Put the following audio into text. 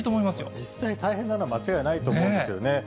実際大変なのは間違いないと思うんですよね。